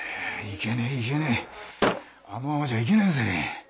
いけねえいけねえあのままじゃいけねえぜ。